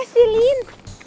apa sih lin